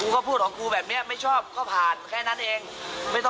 กูบอกให้